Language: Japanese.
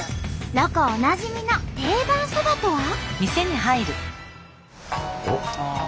ロコおなじみの定番そばとは？